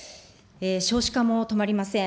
少子化も止まりません。